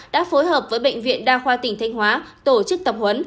đã phối hợp với bệnh viện đa khoa tỉnh thanh hóa tổ chức tập huấn